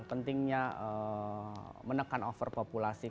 pentingnya menekan overpopulasi